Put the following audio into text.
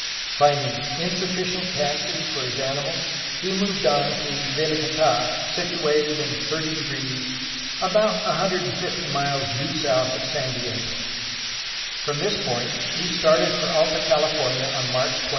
Finding insufficient pasture for his animals he moved on to Velicata, situated in 30°, about 150 miles due south of San Diego. From this point he started for Alta Cahfornia on March 24.